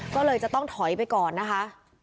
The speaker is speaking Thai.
ก็เลยจะต้องถอยไปก่อนนะคะ